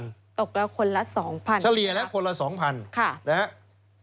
ตกละคนละ๒๐๐๐ครับค่ะแล้ว